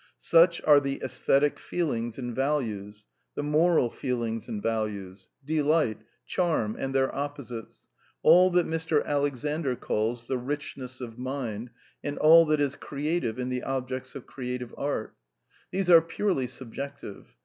Such are the aes thetic feelings and values, the moral feelings and values; / THE NEW KEALISM 181 delight; charm, and their opposites, all that Mr. Alexander calls ^^ the richness of mind/' and all that is creative in the objects of creative art Thegfi— .g rg purely s jiJaflctive.